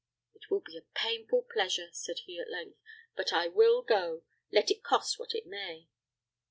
"It will be a painful pleasure," said he, at length; "but I will go, let it cost what it may."